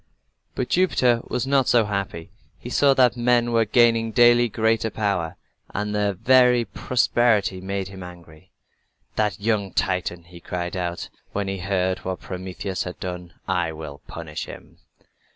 But Jupiter was not so happy. He saw that men were gaining daily greater power, and their very prosperity made him angry. "That young Titan!" he cried out, when he heard what Prometheus had done. "I will punish him."